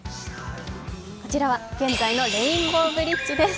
こちらは現在のレインボーブリッジです